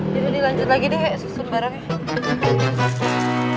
jadi lanjut lagi deh susun barangnya